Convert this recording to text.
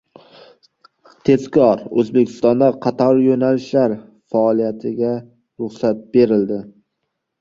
Tezkor! O‘zbekistonda qator yo‘nalishlar faoliyatiga ruxsat berildi